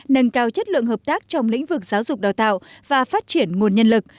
nâng cao chất lượng hợp tác trong lĩnh vực giáo dục đào tạo và phát triển nguồn nhân lực